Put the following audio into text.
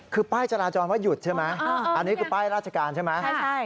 คือป้ายจราจรว่าหยุดใช่ไหมอันนี้คือป้ายราชการใช่ไหม